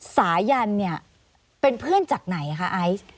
สายันเนี่ยเป็นเพื่อนจากไหนคะไอซ์